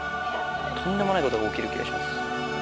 とんでもないことが起きる気がします。